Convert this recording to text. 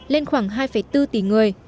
lên khoảng hai bốn tỷ người